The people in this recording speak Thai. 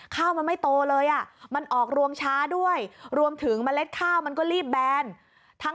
ข้าวมันไม่โตเลยอ่ะมันออกรวมช้าด้วยรวมถึงเมล็ดข้าวมันก็รีบแบน